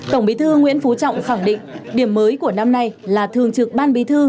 tổng bí thư nguyễn phú trọng khẳng định điểm mới của năm nay là thường trực ban bí thư